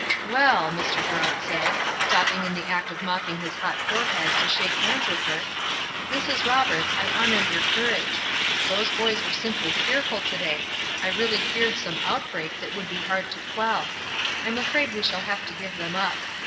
"Well!" Mr. Durant said, stopping in the act of mopping his hot forehead to shake hands with her, "Mrs. Roberts, I honor your courage. Those boys were simply fearful to day; I really feared some outbreak that would be hard to quell. I'm afraid we shall have to give them up.